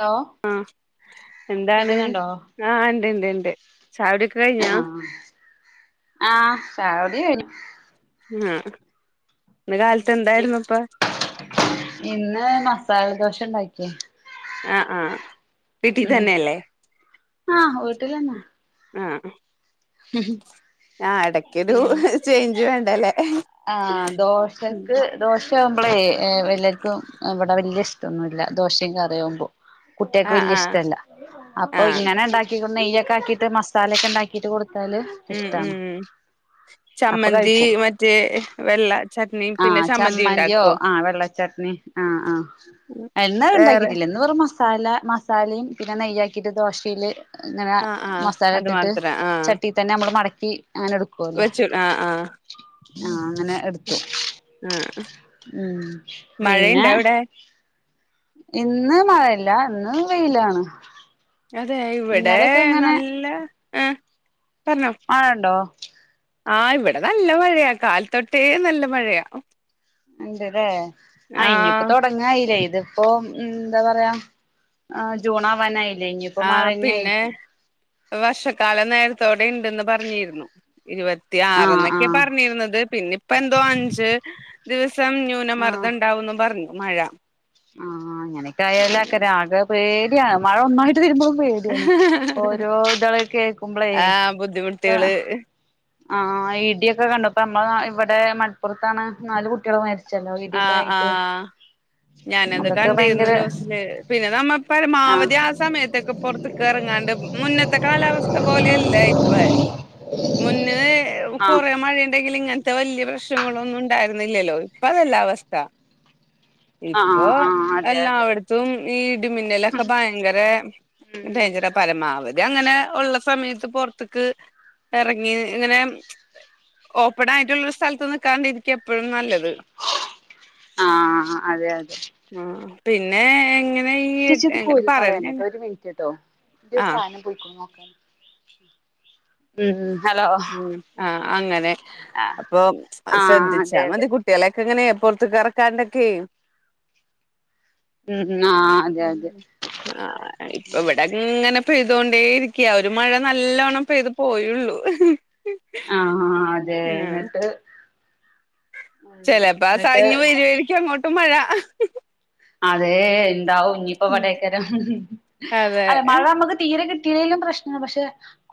Hello ആഹ് എന്താണ് കേക്കുന്നുണ്ടോ ആഹ് ഉണ്ട് ഉണ്ട് ഉണ്ട് ചായാ കുടിയൊക്കെ ക്കെ കഴിഞ്ഞാ ആഹ് ആഹ് ചായ കുടി കഴിഞ്ഞു ആഹ് ഇന്ന് കാലത്ത് എന്തായിരുന്നു ഇപ്പൊ ഇന്ന് മസാല ദോശ ഉണ്ടാക്കിയേ ആഹ് ആഹ് വീട്ടി തന്നെയല്ലേ ആഹ് വീട്ടിലന്നെ ആഹ് ഉം ആഹ് ഇടക്കൊരു ചേഞ്ച് വേണ്ടല്ലേ ദോശയാവുമ്പോളേ എല്ലാർക്കും ഇവിടെ വലിയ ഇഷ്ടൊന്നുമില്ല ദോശയും കറിയവുമ്പോ കുട്ടികൾക്ക് ആഹ് വലിയ ആഹ് ഇഷ്ടമല്ല അപ്പൊ ആഹ് ഇങ്ങനെ ഉണ്ടാക്കി ആഹ് നെയ്യ ഒക്കെ ആക്കിയിട്ട് മസാലൊക്കെ ഉണ്ടാക്കിട്ട് കൊടുത്താല് ഉം ഇഷ്ടമാണ് ഉം അപ്പൊ ചമ്മന്തി കഴിക്കും മറ്റേ വെള്ള ചട്നിയും പിന്നെ ആഹ് ചമ്മന്തി ചമ്മന്തിയോ ഉണ്ടാക്കോ ആഹ് വെള്ളച്ചട്നി ആഹ് ആഹ് എന്നാ വേറെ ഉണ്ടാക്കിട്ടില്ല എന്ന് വെറും മാസ മസാല മസാലയും പിന്നെ നെയ്യ ആക്കിയിട്ട് ദോശയില് ഇങ്ങനെ ആഹ് ആഹ് മസാല അത് ഇട്ടിട്ട് മാത്രം ആഹ് ചട്ടി തന്നെ നമ്മള് മടക്കി അങ്ങനെ എടുക്കുവല്ലോ വെച്ചു ആഹ് ആഹ് ആഹ് അങ്ങനെ എടുത്തു ആഹ് ഉം പിന്നെ മഴയുണ്ടോ അവിടെ ഇന്ന് മഴയില്ല ഇന്ന് വെയിലാണ് അതേ ഇവടെ ഇന്നലെയൊക്കെ ഇങ്ങനെ നല്ല ഏഹ് പർഞ്ഞൊ മഴ ഇണ്ടോ ആഹ് ഇവടെ നല്ല മഴയാ കാൽതൊട്ടേ നല്ല മഴയാ ഇണ്ട്ലേ ആഹ് ഇഞിപൊ തൊട അങ്ങായിലെ ഇതിപ്പോ ഉം എന്ത പറയാ ആഹ് ജൂണ് ആവാനായി ല്ലഞിപ്പോ ആഹ് മഴന്നെ പിന്നെ ആയിരിക്കും വർഷക്കാലം നേര്ത്തോടെ ഇണ്ടെന്ന് പർഞ്ഞീര്ന്നു ഇരുപ ത്തി ആഹ് ആറ്ന്നൊക്കെ ആഹ് പർഞ്ഞീര്ന്നത് പിന്ന ഇപ്പൊ എന്തോ അഞ്ച് ദിവസം ന്യൂനമർദ്ദ ആഹ് ഇണ്ടാവുന്നും പർഞ്ഞു മഴ ആഹ് ഇങ്ങനെക്ക ആയാല ആക്കാരം ആകെ പേട്യാണ് മഴ ഒന്നായ് രുമ്പൊ പേട്യാണ് ഓരോ ഇതള് കേക്കുമ്പ്ളെ ആഹ് ഇപ്പ ബുദ്ധിമുട്ടുകള് ആഹ് ഇടിയൊക്കെ കണ്ടൊപ്പം ഞമ്മളെ ഇവടെ മലപ്പൊർത്താണ് നാല് കുട്ട്യാള് മരിച് ആഹ് ആഹ് ഞാനത് അതൊക്കെ കണ്ടിര്ന്നു ഭയങ്കര ന്യൂസ്ല് പിന്നെ നമ്മൾ പരമാവധി ആഹ് സമയതൊക്കെ പൊർ കർങ്ങാണ്ട് മുന്നത്തെ കാലാവസ്ഥ പോലെയല്ല ഇപ്പ മുന്നേ ഏഹ് ആഹ് കൊറെ മഴയ്ണ്ടെങ്കിലും ഇങ്ങൻത്തെ വെല്ല്യേ പ്രശ്നങ്ങളൊന്നും ഇണ്ടായിര്ന്നില്ലല്ലോ പ്പ അതല്ല അവസ്ഥ ആഹ് ഇപ്പോ ആഹ് ആഹ് അതെ അതെ എല്ലാവട് ത്തും ഈ ഇടിമിന്നലൊക്കെ ഭയങ്കര ഉം ടയ്ജർ പരമാവധി അങ്ങനെ ഒള്ള സമയത്ത് പോർത്ത്ക്ക് എറങ്ങി ഇങ്ങനെ ഓപ്പണായിട്ട്ള്ള സ്ഥലത്ത് നിക്കാണ്ട് ഇരിക്ക എപ്പഴും നല്ലത് ആഹ് അതെ അതെ ആഹ് പിന്നെ ഇങ്ങ ചേച്ചീ അത് കോരി കളയണ്ടട്ടൊ ഒര് മിൻറ്റ്ട്ടൊ ഇന്റെ ആ ഒര് സാനം പൊയ്ക്കുണു നോക്കാനാ ഉം ഹലോ ഉം ആഹ് അങ്ങനെ ആഹ് അപ്പൊ ആഹ് ശ്രദ്ധിച്ചാ അതെ അതെ മതി കു കുട്ട്യാളെക്കെ ഇങ്ങനെ പൊർത്ത്ക്ക് എറക്കാണ്ടൊക്കെ ഉം ആഹ് അതെ അതെ ഉം ആഹ് ഇപ്പ ഇവടെ ഇങ്ങനെ പെയ്തോണ്ടേ ഇരിക്കാ ഒര് മഴ നല്ലോണ്ണം പെയ്ത് പോയെ ഒള്ളു ആഹ് അതെ ഇന്നട്ട് ചെലപ്പൊ ആഹ് [unintelligible] അങ്ങോട്ടും മഴ അതെ ഇണ്ടാവും പ്പ വടേക്കര അതെ അല്ല മഴ നമ്മക്ക് തീരെ കിട്ടീല്ലെങ്കിലും പ്രശ് ആഹ് പക്ഷേ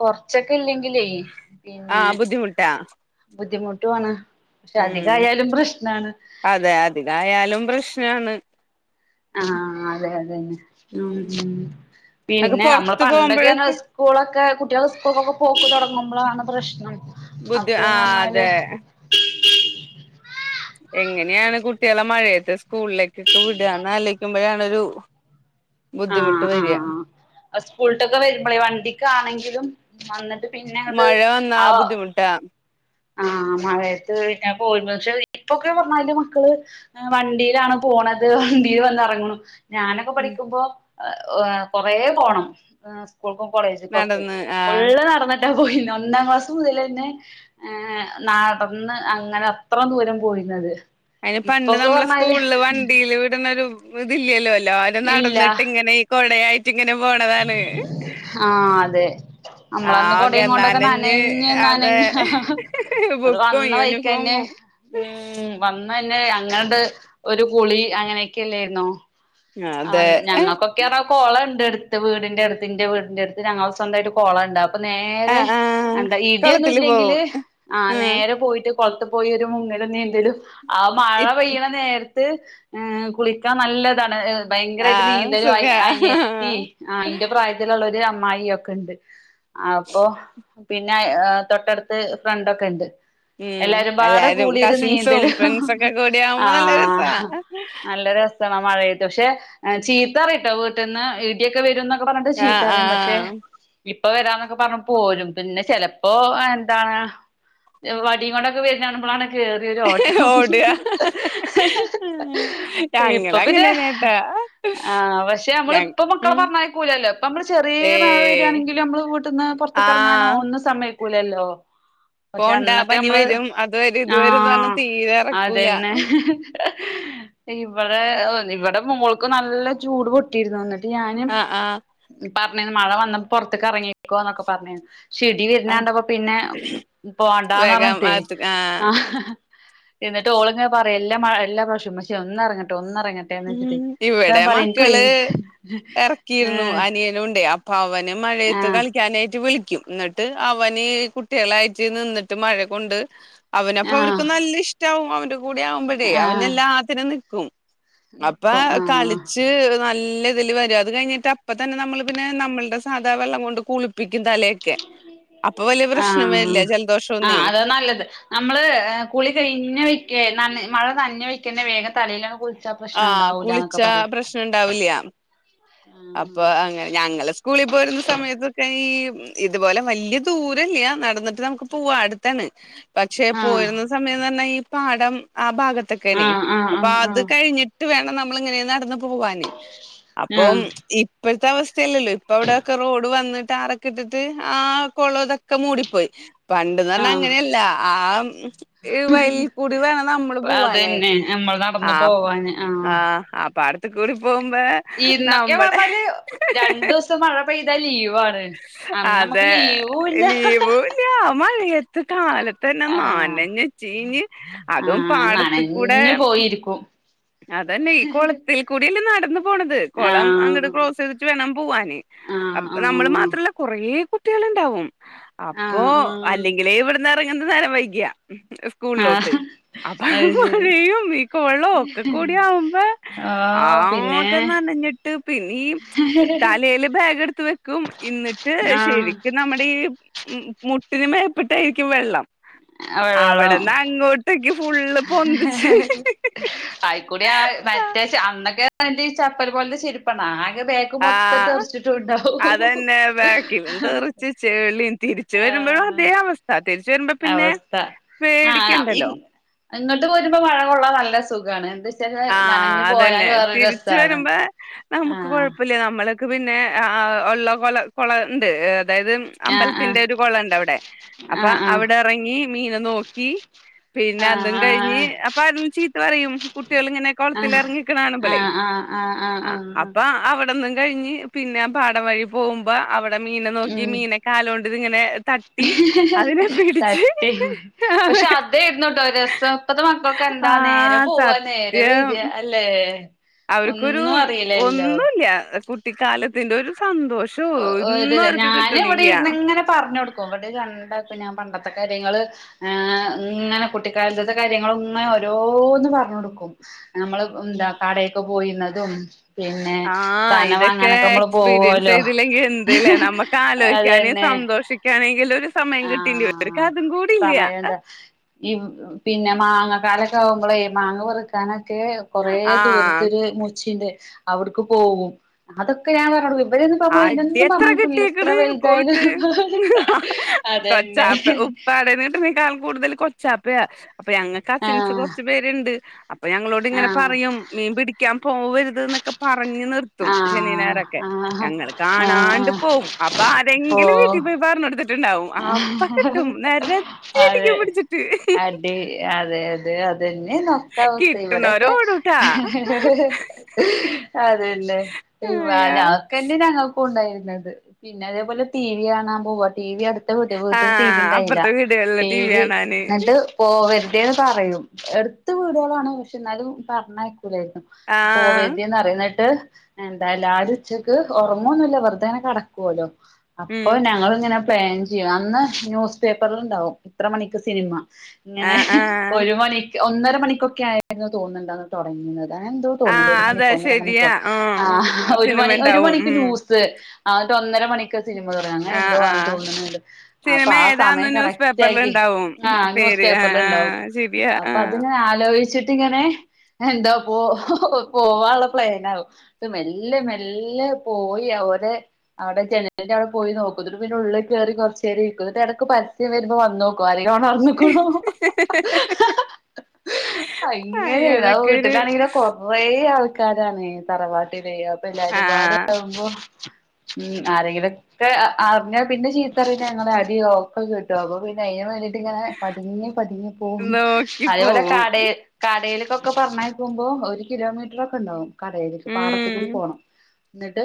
കൊർചൊക്കെ ഇല്ലെങ്കിലെ ആ പിന്നെ ബുദ്ധിമുട്ടാ ബുദ്ധിമുട്ടുവാണ് പക്ഷെ ഉം അധികയാലും പ്രശ്നാണ് അതെ അതികായാലും പ്രശ്നാണ് ആഹ് അതെ അതെന്നെ ഉം അതൊക്കെ പിന്നെ ഞമ്മള് പൊറത്ത് പണ്ടൊക്കെ പർഞാ പോകുമ്പോഴൊക്കെ സ് സ്കൂളൊക്കെ കുട്ട്യാള് സ്കൂൾ കൊക്കെ പോവുമ്പം തൊടങ്ങുംമ്പളാണ് പ്രശ്നം ബുദ്ധി അപ്പോ ആ ന്നർഞ്ഞാല് അതെ എങ്ങനെണ് കുട്ട്യാളെ മഴേത്ത് സ്കൂളിലെകൊക്കെ വിടാന്ന് ആലയ്ക്കുമ്പഴാണൊ ഒരു ബുദ്ധിമുട്ട് വെരാ സ്കൂൾട്ടൊക്കെ വരുമ്പളെ വണ്ടിക്ക് ആണെങ്കിലും വന്ന്ട്ട് പിന്നെ ഇങ്ങട്ട് ആഹ് ട്ടാ ആഹ് മഴയത്ത് പിന്നെ പോയി പക്ഷെ ഇപ്പൊക്കെ പർഞ്ഞാല് മക്കള് വണ്ടീലാണ് പോണത് വണ്ടീല് വന്ന് എറങ്ങ്ണു ഞാനൊക്കെ പഠിക്കുമ്പൊ കൊറെ പോണം സ്കൂൾക്കും കോളേജ്കൊക്കെ നടന്ന് ആ ഫുള്ള് നടന്ന്ട്ടാ പോയിന്നെ ഒന്നാം ക്ലാസ് മുതലെന്നെ ഏഹ് നടന്ന് അങ്ങനെ അത്ര ദൂരം പോയിനത് അയിന് പണ്ട് നമ്മളെ സ്കൂള്ള് വണ്ടീല് വിട്ണെ ഒരു ഇത് ഇല്ല്യല്ലോ എല്ലാരും ഇല്ല നടന്ന്ട്ട് ഇങ്ങനെ കൊടയായിട്ട് ഇങ്ങനെ പോണതാണ് ആഹ് അതെ നമ്മളന്ന് ആകെ കൊടയും കൊണ്ടൊക്കെ നനഞ്ഞ് ന്നനഞ്ഞ് അതെ ന്നനഞ് അത് ബുക്കും വന്ന വൈക്കന്നെ യൂണിഫോമും ഉം വന്നനെ അങ്ങടെ ഒരു കുളി അങ്ങനെയൊക്കെ എല്ലായിരുന്നോ? അതെ ആഹ് ഞങ്ങക്കൊക്കെ എർഞ്ഞാ കൊളണ്ട് എട്ത്ത് വീടിന്റെ അട്ത്തിന്റെ ഇന്റെ വീടിന്റെ അടുത്ത് ഞങ്ങളെ സ്വന്തായിട്ട് കൊളം ഇണ്ടാ പ്പ നേരെ ആഹ് ആഹ് എന്താ കൊളത്തില് പോവും ഇടിന്നുംല്ലെങ്കില് ആഹ് ഉം നേരെ പോയിട്ട് കൊൾത്ത് പോയി ഒരു മുങ്ങലും നീന്തലും ആഹ് മഴ പെയ്യ്ണ നേര് ത്ത് ഏഹ് കുളിക്കാൻ നല്ലതാണ് ഹ് ഭയങ്കരയിട്ട് ആഹ് നീന്തലും അയ് സുഖാ അനിയത്തി ആഹ് ഇന്റെ പ്രായത്തി തിലുള്ളൊരു അമ്മായി ഒക്കെ ഇണ്ട് അപ്പൊ പിന്നെ അയ് തൊട്ടടുത്ത് ഫ്രണ്ടൊക്കെ ഇണ്ട് ഉം എല്ലരും പാടെ എല്ലാരും കൂളി ഒരു കസിൻസും നീന്താലും ഫ്രണ്ട്സൊക്കെ കൂടി ആവുമ്പോ നല്ല രസാ ആഹ് ആഹ് നല്ല രസ് സാണ് മഴയത്ത് പക്ഷേ ചീത്തറിട്ടോ വീട്ട്ന്ന് ഇ ഒക്കെ വരും ന്നൊക്കെ പറഞ്ഞിട്ട് ചീത്തറിയും പക്ഷെ ആഹ് ഇപ്പൊ വരാന്നൊക്കെ പറഞ്ഞ പോരും പിന്നെ ചേലപ്പോ എന്താ വടിം കൊണ്ടൊക്കെ വര്ണ കാണുബളാണ് കേ ഓട്ആ ഞങ്ങൾ ഇപ്പൊ പിന്നെ അങ്ങനെനേട്ടാ. ആഹ് പക്ഷെ നമ്മളിപ്പൊ മക്കളെ പറഞ്ഞയക്കുലല്ലോ, ഇപ്പ നമ്മള് ചെറി ഏ മഴ വരാണെങ്കിലും നമ്മള് വീട്ട്ന്ന് പൊർ ത്ത്കറങ്ങാനോ ആഹ് ഒന്നും സമയ്ക്കൂലല്ലോ. പക്ഷെ പോണ്ട അന്നൊക്കെ പനി നമ്മള് വരും അത് വരും ഇത് വരുംന്ന് പറഞ്ഞ് ആഹ് തീരെ എറക്കൂല അതന്നെ. ഇവടെ ഇവടെ മോൾക്ക് നല്ല ചൂട് പൊട്ടിയിരുന്നു ന്നിട്ട് ഞാനും ആഹ് ആഹ് പറഞീന്ന് മഴ വന്നപ്പൊ പോർത്ത്ക്ക് അറങ്ങിക്കൊന്നൊക്കെ പറഞീന്നു. ഇടി ആഹ് വരുന്നണ്ടപ്പ പിന്നെ വേഗം പോണ്ടാന്നറിഞ്ഞിട്ടേയ് അത് ആഹ് ആ എന്നിട്ട് ഓള് ങ്ങനെ പറയും എല്ലാ മഴ എല്ലാ പ്രവശ്യം മ്മച്ചി ഒന്നറങ്ങട്ടെ ഒന്നറങ്ങട്ടെന്ന് ഉം വെച്ചിട്ടെ ഇവിടെ മക്കള് ഇറക്കിയിരുന്നു ഏ അനിയനുണ്ട് അപ്പൊ അവന് ആ മഴയത്ത് കളിക്കാനായിട്ട് വിളി ക്കും ന്നിട്ട് അവന് കുട്ടികളായിട്ട് നിന്നിട്ട് മഴ കൊണ്ട് അവനപ്പ ആ അവർക്ക് നല്ല ഇഷ്ട്ടാവും അവന്റെ കൂടെ ആവുമ്പോഴേ ആ അവന എല്ലാത്തിനും നിക്കും അപ്പൊ നിക്കും ആ കളിച്ച് നല്ല ഇതില് വ അത് കഴിഞ്ഞിട്ട് അപ്പ തന്നെ നമ്മള് പിന്നെ നമ്മൾടെ സാധാ വെള്ളം കൊണ്ട് കുളിപ്പിക്കും തലേ ക്കേ അപ്പൊ വല്യയ പ്രശ്ണം ആഹ് വര്ല്ല ജൽദോഷം ആഹ് ഒന്നുയ്. അതാ നല്ലത്. നമ്മള് കുളി കഴിഞ്ഞ വെക്ക നന മഴ നഞ്ഞ വെക്കന്നെ വേഗം തലയിലാണ് കുൾ ആഹ് കുളിച്ചാ പ്രശ്ന ണ്ടാവൂല്ല്യ. അപ്പൊ അങ്ങനെ, ഞങ്ങള് സ്കൂളിൽ പോരുന്ന സമയത്തൊക്കെ ഈ ഇതുപോലെ വല്ല്യ ദൂരല്ല്യാ നടന്ന്ട്ട് നമുക്ക് പോവാ അടുത്താണ്. പക്ഷെ ആഹ് പോയിരുന്ന സമയംന്നർഞ്ഞാ ഈ പാടം ആ ഭാഗത്തൊക്കെനെയ് ആഹ് ആഹ് അപ്പൊ ആഹ് അത് ആഹ് കഴിഞ്ഞി ട്ട് വേണം നമ്മളിങ്ങനെ നടന്ന് പോവാന് അപ്പം ആഹ് ഇപ്പഴ്ത്തെ അവസ്ഥയല്ലല്ലോ ഇപ്പ അവിടെയൊക്കെ റോഡ് വന്ന് ടാറോക്കെ ഇട്ടിട്ട് ആ കൊളതൊ ഒക്കെ മൂടിപ്പോയി പണ്ട്ന്ന്റഞാ ആഹ് അങ്ങനെയല്ല ആ മ് ഈ വയൽക്കൂടി വേണം നമ്മള് അതന്നെ പോവ്വാനായിട്ട് നമ്മൾ നടന്നു ആ പോവാന് ആഹ് ആ അ ആ പ്പാടത് കൂടി പോകുമ്പോ ഇന്നൊക്കെ നമ്മടെ പറഞ്ഞാല് രണ്ടുസം മഴ പെയ്താ ലീവാണ്. അന്ന് നമുക്ക് അതെ ലീവൂല്ല ലീവുല്യ ആ മഴയത് ഇ കാലത്ത്ന്നെ ആഹ് നനഞ് ചീഞ്ഞ് അതും ആഹ് പാടത്കൂടെ നനഞ്ഞു പോയിരിക്കും അതന്നെ ഈ കുളത്തിൽ കൂടില്ലേ നടന്നു പോണത് കൊളം അങ്ങോട്ട് ആഹ് ക്ലോസ് ചെയ്തിട്ട് വേണം പുവ്വാന് അ ആഹ് നമ്മള് ആഹ് മാത്രല്ല കൊറെേ കുട്ട്യാള്ണ്ടാവും അപ്പൊ ആഹ് ആഹ് അല്ലെങ്കിലേ ഇവ്ടുന്ന് എറങ്ങുന്ന നേരം വൈകിയാ സ്കൂൾലോട്ട് ആഹ് അപ്പ ആ അത് ശരി മഴയും ഈ കൊളോ കൂടിആവുമ്പാ ഓ പിന്നെ ആകെ നനഞ്ഞിട്ട് പിന്നേ ഈ തലേല് ബാഗട് ത്ത് വെക്കും ഇന്നിട്ട് ആഹ് ശരിക്കും ന നമ്മടെ ഈ മുട്ടിന് മേപ്പെട്ടായിരിക്കും വെള്ളം. വെള്ളം അവടന്ന് അങ്ങോട്ടേക്ക്‌ ഫുള്ള് പൊന്തിച്ച് അയ്ക്കുടി ആഹ് മറ്റേ അന്നൊക്കെ ഈ ചപ്പൽ പോലത്തെ ചെര്പ്പാണ് ആകെ ദേ ആഹ്, അതന്നെ ബേക്കിലും തെറിച്ച് ചെലീം തിരി തിരിച്ച് വരുമ്പഴും ആഹ് അതേ അവസ്ഥ തിരിച്ച് വരുമ്പോ പിന്നെ അവസ്ഥ പേടിക്കണ്ടല്ലോ. ഇങ്ങട്ട് പോരുമ്പോ മഴകൊള്ളാൻ നല്ല സുഖാണ്, എന്താ വെച്ചാല് ആഹ് നനഞ്ഞു പോരാൻ അതന്നെ വേറൊരു തിരിച്ച് രസാണ് വരമ്ബേ നമുക്ക് ആഹ് കൊഴപ്പല്ല നമ്മളെ ക്ക്‌ പിന്നെ ആ ആ ഉള്ള കൊള കൊള ണ്ട് അതായത് ആഹ് ആഹ് അമ്പലത്തിന്റെ ഒരു കൊളണ്ട വടെ അപ്പൊ ആഹ് ആഹ് അവടെ റങ്ങി മീനെ നോക്കി പിന്നെ അതും ആഹ് കഴിഞ്ഞ് ആഹ് അപ്പൊ ആരേലും ചീത്ത പറയും. കുട്ട്യാള്ങ്ങനെ കൊളത്തിൽ ആഹ് എർങ്ങിക്ക്‌ണാണുമ്പ്ളെയ് ആഹ് അപ്പ അവടന്നും കഴിഞ്ഞ് പിന്നെ പാടം വഴി പോകുമ്പോ അവടെ മീനെ നോക്കി ഉം മീനെ കാലൊണ്ട്ത് ങ്ങനെ തട്ടി അതെ പക്ഷെ അതേര്ന്നുട്ടോ രസം ഇപ്പത്തെ മക്കക്ക് എന്താ നേരെ ആഹ് പോവാ നേരെ വെരാ അല്ലേ. അവര്ക്കൊരു ഒന്നും അറിയില്ലല്ലോ ഒന്നൂല്ല്യ കുട്ടിക്കാലത്തിന്റെ ഒരു സന്തോഷം. ഒരു ഞാന് ഇവിടെ ഇര്ന്ന് ഇങ്ങനെ പർഞ്ഞൊ ട്ക്കും ഇവടെ രണ്ടാക്കും ഞാൻ പണ്ടത്തെ കാര്യങ്ങള് ആഹ് ഇങ്ങനെ കുട്ടിക്കാലത്ത്ത്തെ കാര്യങ്ങള് ഇങ്ങനെ ഓരോന്ന് പറഞ്ഞൊട്ക്കും. ഞമ്മള് എന്താ കടേക്ക്‌ പോയീന്നതും. ആഹ് ഇതെക്കെ എക്സ്പീരിയൻസെ പോവോലോ യ്തില്ലെങ്കിൽ എന്ത് ഇത് ലേ നമക്ക് ആലോയ്ക്കാനേ അതന്നെ സന്തോഷിക്കാനെങ്കിലൊരു സമയം കിട്ടില്ല ഓര്ക്ക്‌ അതും കൂടില്ല ഇം പിന്നെ മാങ്ങക്കാലൊക്കെ ആകുമ്പളേ മാങ്ങ പെറ്ക്കാനക്കെ. കൊറേ ആഹ് ദൂരത്തൊര് മൂച്ചിണ്ട്. ഔട്ക്ക്‌ പോവും അതൊക്കെ ഞാം പറഞ്ഞൊട്ക്കും. ഇവരൊന്നും പറ്ഞ്ഞ അടി അയ്നൊന്നും എത്ര പർഞയക്കൂലല്ലോ എത്ര കിട്ടിയേക്കണ് വൽതായാലും. പോയിട്ട് തന്നെ [unintelligible] [unintelligible] ക്കാൽ കൂടുതല് കൊച്ചാപ്യ. അപ്പൊ ഞങ്ങക്ക് ആ സിൻസ് ആഹ് കൊർച്ചു പേര്ണ്ട്. അപ്പ ഞങ്ങളോട് ഇങ്ങനെ ആഹ് പറയും മീൻ പിടിക്കാൻ പോവര്ത് ന്നൊക്കെ പറഞ്ഞ് നിർ ത്തും ആഹ് ശനിഞായറൊക്കെ ആഹ് ആഹ് ഞങ്ങള് കാണാണ്ട് ആഹ് പോകും. അപ്പ ആരെങ്കിലും വീട്ടീ ഓഹ് പോയി പറ്ഞ്ഞൊട് ത്ത്ണ്ടാവും അപ്പ ക്കിട്ടും നെരത്തി അതെ അടിക്കും പിടിച്ചിട്ട്. അടി അതെ അതെ അതന്നെ നൊക്ക അവസ്ഥ കിട്ടണോര് ഇവടെക്കെ ഓടൂട്ടാ അതെന്നെ ഇ വ അയ്യോ ന [unintelligible] [unintelligible] ഞങ്ങൾക്കുണ്ടായിരുന്നത് പിന്നെ അതേപോലെ ടി വി കാണാൻ പോവാ ടി വി അട് [unintelligible] വീട്ടിൽ ടി വി ആഹ് ഉണ്ടായില്ല അപ്പുറത്തെ വീടുകളിലെ ടി വി കാണാന് ഇന്ന്ട്ട്. പോവെര്തേന്ന് പറയും എട്ത്ത് വീട്വാളാണ് പക്ഷെ ഇന്നാലും പറഞ്ഞയക്കൂലേന്നു. ആഹ് പോവെര്തേന്നറിം ഇന്ന്ട്ട് എന്താ എല്ലാരു ഉച്ചക്ക് ഒർങ്ങൊന്നുല്ല വെറ്തെ ഇങ്ങനെ കടക്കോലൊ ഉം അപ്പൊ ഞങ്ങള് ഇങ്ങനെ. പ്ലാൻ ചെയും അന്ന് ന്യൂസ് പേപ്പറ്ല് ഇണ്ടാവും ഇത്ര മണിക്ക് സിനിമ ഇങ്ങനെ. ആഹ് ആഹ് ഒര് മണിക്ക് ഒന്നര മണിക്കൊക്കെ ആയിരുന്നു തോന്നുന്ന്ണ്ട് അന്ന് തൊടങ്ങീന്നത് അങ്ങനെ എന്തോ. തോന്ന്ണ്ട് ആഹ് ഒരു അതാ മണിക്കൊ ഒന്നര ശരിയാ മണിക്കൊ ആഹ് ഒരു സിനിമ മണി ഒരു ഉണ്ടാവും മണിക്ക്‌ ഉം ഊസ്‌ സ് ആഹ് ഇന്ന്ട്ട് ഒന്നര മണിക്ക് സിനിമ തൊടങ്ങാ. അങ്ങനെ ആഹ് എന്തോ ആണ് ആഹ് തോന്ന്ന്ന്ണ്ട്. അപ്പ സിനിമ ആഹ് ഏതാന്ന് സമയം ന്യൂസ് പേപ്പറിൽ കറക്റ്റാക്കി ഉണ്ടാവും ആഹ് ന്യൂസ് പേര് ആഹ് പേപ്പറ്ല് ഇണ്ടാവും ആഹ് ശരിയാ അപ്പൊ അത് ആഹ് ഇങ്ങനെ ആലോയ്ച്ച്ട്ടിങ്ങനെ എന്തോ പോ പോവാള്ള പ്ലേനാവും. ന്ന്ട്ട് മെല്ലെ മെല്ലെ പോയി അവരെ അവടെ ജനലിന്റെ അവടെ പോയി നോക്കും. ഇന്നട്ട് പിന്നെ ഉള്ള് കേറി കൊർച്ചേര ഇരിക്കും. ഇന്നട്ട് എടക്ക്‌ പരസ്യം വരുമ്പോ വന്നോക്കും. ക്കും ആരേലും ഒണർന്ന്ക്ക്ണോ. അയ്യോ അങ്ങനേര്ന്നു അപ്പ അതൊക്കെ ഒരു വീട്ടിലാണെങ്കിലോ കൊർ കൊറേ ആൾക്കാരാണ് തറവാട്ടിലേയ്. അപ്പൊ എല്ലാരുമ്പാടെ. ആഹ് ആകുമ്പോ ഉം ആരെങ്കിലൊക്കെ അറ്ഞ്ഞാ പിന്നെ ചീത്തറീം. ഞങ്ങളെ അടി ഒക്കെ കിട്ടും അപ്പ പിന്നെ ഐലും നല്ലത്. ഇന്ന്ട്ട് ഇങ്ങനെ പത്ങ്ങി പത്ങ്ങി പോവും നോക്കി അതേപോലെ പോവും കടേ കടേലൊക്കൊക്കെ പർഞ്ഞയ്കുമ്പോ ഒര് കിലോമീറ്ററൊക്കെ ഇണ്ടാവും. കടേലേക്ക് പാടത്ത് കൂടി ഉം പോണം. ഇന്നട്ട്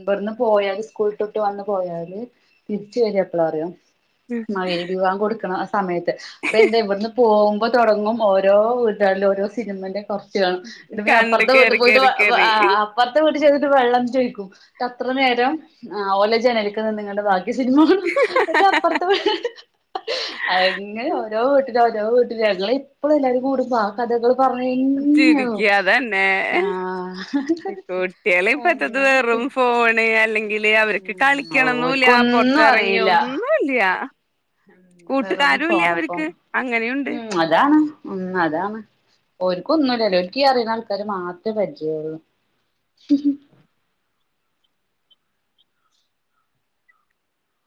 ഇവിട്ന്ന് പോയാല് സ്കൂള് വിട്ട് വന്ന് പോയാല്. ചേയ്തെപ്ലാറ്യാെ മഹ്രിബ് ബാങ്ക് കൊട്ക്ക്ണ ആ സമയത്ത്. അപ്പെ എന്തെ ഇവിട്ന്ന് പോകുമ്പോ തൊടങ്ങും ഓരോ വീട്ട്കാരിലും ഓരോ സിനിമന്റെ കൊറ് ച്ച് കാണും ഇന്നട്ട് പിന്നെ കണ്ട് അപ്പൊറ്ത്തെ വീട്ട് കേറി പോയിട്ട് കേറി കേറി [unintelligible] അപ്പറ്ത്തെ വീട്ട് ചെന്നിട്ട് വെള്ളം ചോയ്ക്കും. അത്ര നേരം ഓലെ ജനലിക്ക് നിന്നിങ്ങട്ട് ബാക്കി അപ്പറ്ത്തെ [unintelligible] അങ്ങനെ ഓരോ വീട്ട് [unintelligible] ഓരോ വീട്ടിലും ഞങ്ങള് ഇപ്പളും എല്ലാരും കൂടുമ്പോ ആ കഥകളും. ചിരിക്ക പറ്ഞ്ഞെന്യനോക് അതന്നെ ആഹ് കുട്ടികള് ഇപ്പത്തത് അങ്ങനൊക്കെ വെറും ഫോണ് അല്ലെങ്കില് അവർക്ക് കളിക്കണെന്നുല്ല ഓര്ക്കൊന്നും പൊറത്തെറങ്ങിയ അറിയില്ല ഒന്നു ഇല്ല. വെറും കൂട്ടുകാരും ഇല്ല ഫോണ് ഫോൺ അവർക്ക് അങ്ങനെയുണ്ട്. ഉം അതാണ് ഉം അതാണ് ഓര്ക്ക് ഒന്നുല്ലല്ലോ, ഓരുക്കീ അറിയുന്ന ആൾക്കാരെ മാത്രേ പരിചയോള്ളു